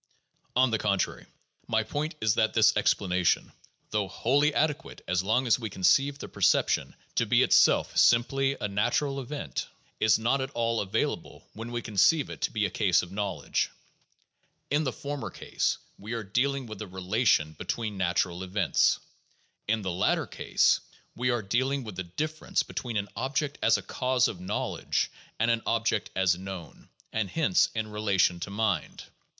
On the contrary, my point is that this explanation, though wholly ade quate as long as we conceive the perception to be itself simply a natural event, is not at all available when we conceive it to be a case of knowledge. In the former case, we are dealing with a relation between natural events. In the latter case, we are dealing with the difference between an object as a cause of knowledge and an object as known, and hence in relation to mind.